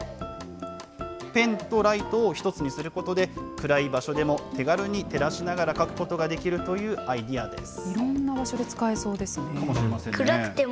ペンとライトを１つにすることで、暗い場所でも手軽に照らしながら書くことができるというアイデアです。